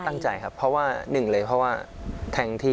ตั้งใจครับเพราะว่าหนึ่งเลยเพราะว่าแทงแล้วนะครับ